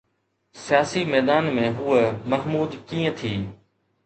سياسي ميدان ۾ هوءَ محمود ڪيئن ٿي؟